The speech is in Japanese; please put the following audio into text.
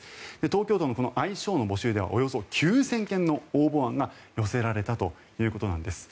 東京都の愛称の募集ではおよそ９０００件の応募案が寄せられたということです。